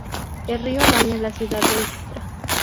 El río baña la ciudad de Istra.